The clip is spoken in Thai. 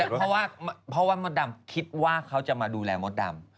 พอว่าโหมดดำคิดว่าเขาจะมาดูแลโหมดดำ